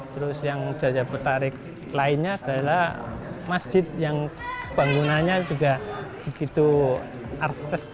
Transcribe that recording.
terus yang jajak betarik lainnya adalah masjid yang bangunannya juga berusia lawas